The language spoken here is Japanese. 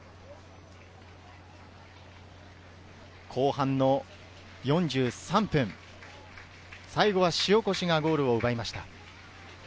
後半４３分、最後は塩越がゴールを奪いました。